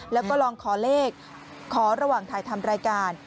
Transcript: แล้วก็ลองขอเลขขอระหว่างถ่ายทำรายการ